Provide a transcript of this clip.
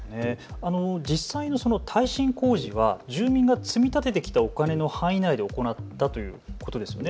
実際の耐震工事を住民が積み立ててきたお金の範囲内で行うということですよね。